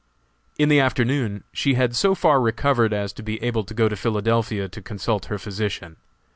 In the afternoon she had so far recovered as to be able to go to Philadelphia to consult her physician.